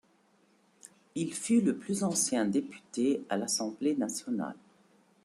Il fut le plus ancien député à l'Assemblée nationale.